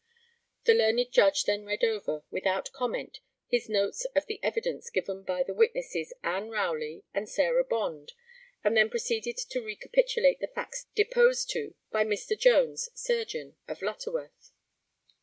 [The learned judge then read over, without comment, his notes of the evidence given by the witnesses Ann Rowley and Sarah Bond, and then proceeded to recapitulate the facts deposed to by Mr. Jones, surgeon, of Lutterworth.